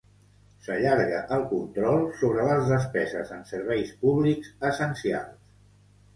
S'allarga el control sobre les despeses en serveis públics essencials.